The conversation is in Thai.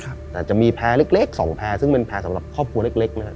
ครับแต่จะมีแพร่เล็กเล็กสองแพร่ซึ่งเป็นแพร่สำหรับครอบครัวเล็กเล็กนะครับ